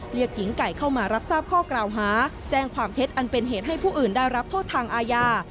หญิงไก่เข้ามารับทราบข้อกล่าวหาแจ้งความเท็จอันเป็นเหตุให้ผู้อื่นได้รับโทษทางอาญา